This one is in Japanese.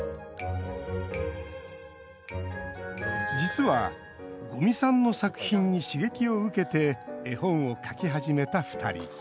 実は、五味さんの作品に刺激を受けて絵本を描き始めた２人。